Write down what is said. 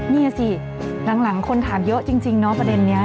นี่สิหลังคนถามเยอะจริงเนาะประเด็นนี้